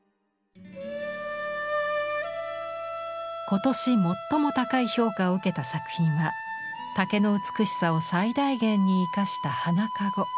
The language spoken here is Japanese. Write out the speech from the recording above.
今年最も高い評価を受けた作品は竹の美しさを最大限に生かした花籠。